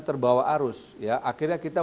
terbawa arus akhirnya kita